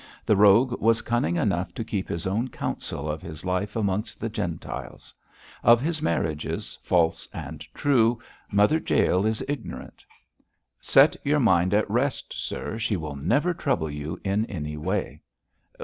The rogue was cunning enough to keep his own counsel of his life amongst the Gentiles; of his marriages, false and true, Mother Jael is ignorant. Set your mind at rest, sir, she will never trouble you in any way.'